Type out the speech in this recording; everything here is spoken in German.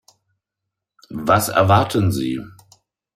Was erwarten Sie?